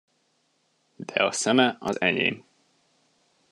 De a szeme az enyém.